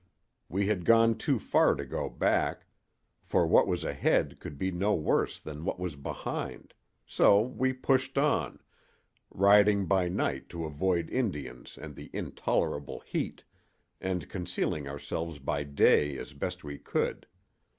We had gone too far to go back, for what was ahead could be no worse than what was behind; so we pushed on, riding by night to avoid Indians and the intolerable heat, and concealing ourselves by day as best we could.